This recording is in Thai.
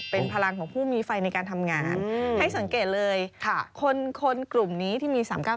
เป็นพลังของผู้มีไฟในการทำงานให้สังเกตเลยคนกลุ่มนี้ที่มี๓๙๙